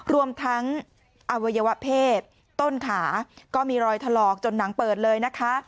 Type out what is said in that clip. รวมทั้งอวัยวะเพศต้นขาก็มีรอยถลอกจนหนังเปิดเลยนะคะ